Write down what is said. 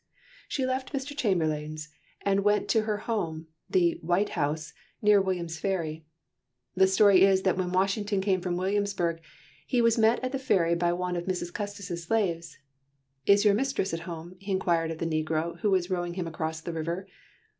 She left Mr. Chamberlayne's and went to her home the "White House" near William's Ferry. The story is that when Washington came from Williamsburg, he was met at the ferry by one of Mrs. Custis's slaves. "Is your mistress at home?" he inquired of the negro who was rowing him across the river.